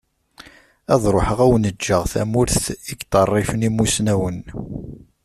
Ad ruḥeγ ad awen-ğğeγ tamurt i yeṭṭerrifen imusnawen.